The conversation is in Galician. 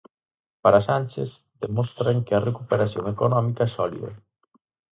Para Sánchez, demostran que a recuperación económica é sólida.